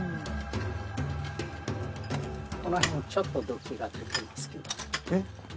この辺ちょっと土器が出てますけどえっ？